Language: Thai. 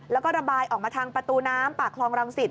แล้วก็ระบายออกมาทางประตูน้ำปากคลองรังสิต